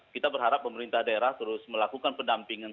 kita berharap pemerintah daerah terus melakukan pendampingan